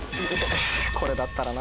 これだったらな。